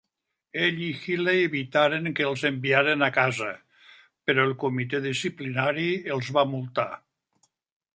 Ell i Healey evitaren que els enviaren a casa, però el comitè disciplinari els va multar.